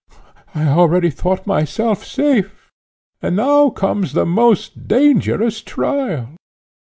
I already thought myself safe, and now comes the most dangerous trial.